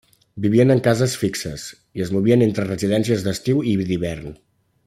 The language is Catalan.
Vivien en cases fixes i es movien entre residències d'estiu i d'hivern.